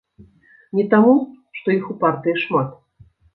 Не таму, што іх у партыі шмат.